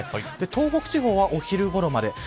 東北地方は、お昼ごろまで。